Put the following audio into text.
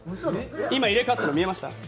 今入れ代わったの見えました？